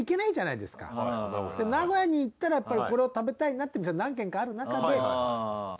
名古屋に行ったらやっぱりこれを食べたいなって店が何軒かある中で。